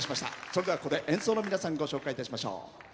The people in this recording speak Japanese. それでは、ここで演奏の皆さんご紹介しましょう。